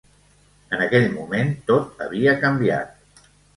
En aquell moment tot havia canviat.